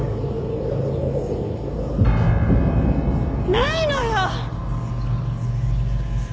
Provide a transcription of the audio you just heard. ないのよ！